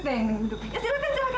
silakan silakan duduk